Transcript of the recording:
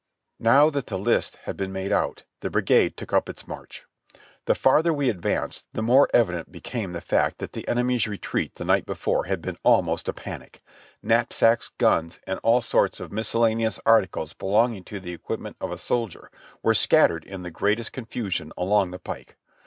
Now that the list had been made out, the brigade took up its march. The farther we advanced the more evident became the fact that the enemy's retreat the night before had been almost a panic; knapsacks, guns, and all sorts of miscellaneous articles be longing to the equipment of a soldier were scattered in the great est confusion along the pike.